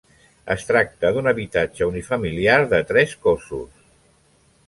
Es tracta d'un habitatge unifamiliar de tres cossos.